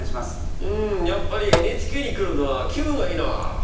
うんやっぱりＮＨＫに来るのは気分がいいなあ。